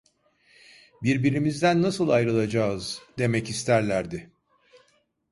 "Birbirimizden nasıl ayrılacağız?" demek isterlerdi.